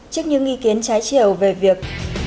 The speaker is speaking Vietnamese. trước những ý kiến trái chiều về việc